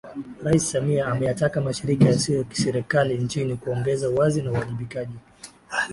Rais Samia ameyataka Mashirika Yasiyo ya Kiserikali nchini kuongeza uwazi na uwajibikaji